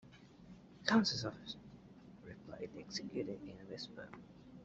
'Counsel’s Office,’ replied the executor in a whisper.